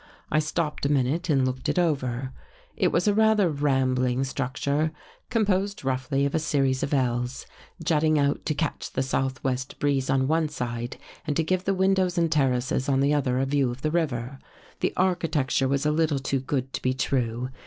I stopped a minute and looked it over. It was a rather rambling structure, two stories high, composed roughly of a series of L's, jutting out to catch the southwest breeze on one side and to give the windows and terraces on the other a view of the river. The architecture was a little too good to be true.